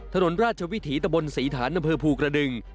ถนนราชวิถีตะบนศรีฐานอำเภอภูกระดึง